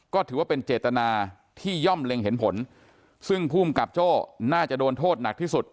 ก็ถือว่าเป็นเจตนาที่ย่อมเล็งเห็นผลซึ่งภูมิกับโจ้น่าจะโดนโทษหนักที่สุด